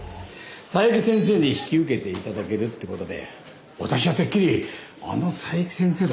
佐伯先生に引き受けていただけるってことで私はてっきりあの佐伯先生だと思ってたんですよ。